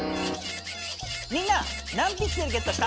みんな何ピクセルゲットした？